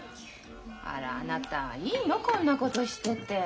あらあなたいいの？こんなことしてて。